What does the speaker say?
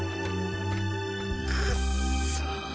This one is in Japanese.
くっそ。